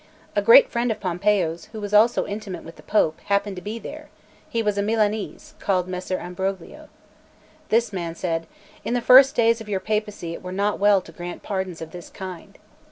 A great friend of Pompeo's, who was also intimate with the Pope, happened to be there; he was a Milanese, called Messer Ambrogio. This man said: "In the first days of your papacy it were not well to grant pardons of this kind."